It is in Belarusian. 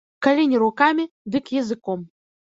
Калі не рукамі, дык языком.